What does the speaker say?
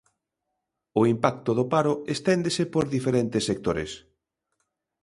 O impacto do paro esténdese por diferentes sectores.